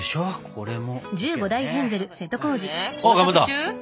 これも。